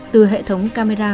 từ hệ thống camera